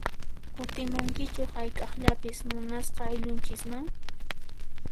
Kutimunkichu hayk'aqllapis munasqa ayllunchisman?